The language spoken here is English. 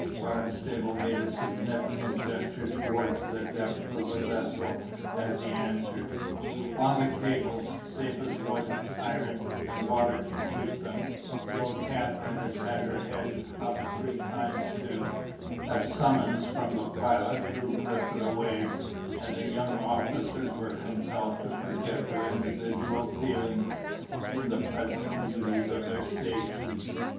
Barnstable made a significant gesture towards the depths of the vessel, as he answered,— "On the cables; safe as wood, iron, and water can keep them—though Katherine has had her head up three times to—" A summons from the Pilot drew Griffith away; and the young officers were compelled to forget their individual feelings, in the pressing duties of their stations.